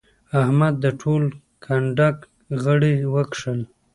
احمد د ټول کنډک غړي وکښل.